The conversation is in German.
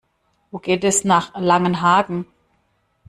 Wo geht es nach Langenhagen?